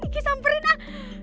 kiki samperin lah